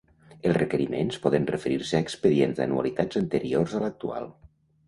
Els requeriments poden referir-se a expedients d'anualitats anteriors a l'actual.